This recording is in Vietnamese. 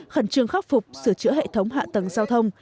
khẩn trương khắc phục sửa chữa hệ thống hạ tầng giao thông